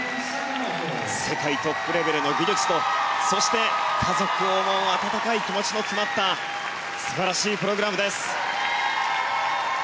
世界トップレベルの技術とそして、家族を思う温かい気持ちの詰まった素晴らしいプログラムです。